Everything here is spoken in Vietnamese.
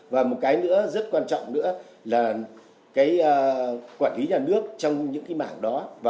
và một cái nữa rất quan trọng nữa là quản lý nhà nước trong những mảng đó